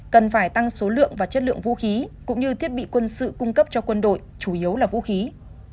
cần phải tăng số lượng và chất lượng vũ khí cũng như thiết bị quân sự cung cấp cho quân đội chủ yếu là vũ khí